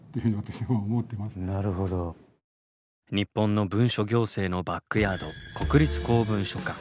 日本の文書行政のバックヤード国立公文書館。